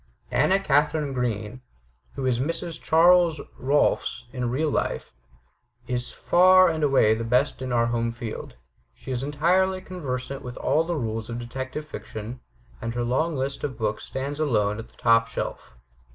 Anna Katharine Green, who is Mrs. Charles Rohlfs in real life, is far and away the best in our home field. She is entirely conversant with all the rules of detective fiction, and her long list of books stands alone on the top shelf.